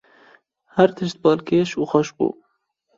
Her tişt balkêş û xweş bû.